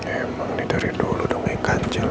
emang nih dari dulu dongeng kancil